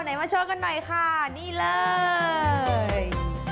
มาโชว์กันหน่อยค่ะนี่เลย